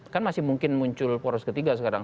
kan masih mungkin muncul poros ketiga sekarang